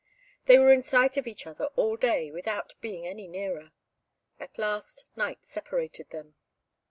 They were in sight of each other all day without being any nearer. At last night separated them.